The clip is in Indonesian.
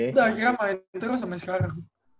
udah akhirnya main terus sampai sekarang